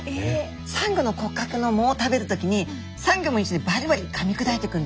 サンゴの骨格の藻を食べる時にサンゴも一緒にバリバリかみ砕いていくんです。